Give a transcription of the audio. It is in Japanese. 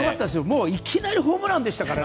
もう、いきなりホームランでしたから。